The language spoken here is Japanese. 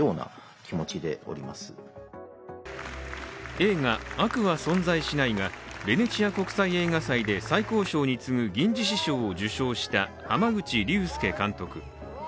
映画「悪は存在しない」がベネチア国際映画祭で最高賞に次ぐ銀獅子賞を受賞した濱口竜介監督。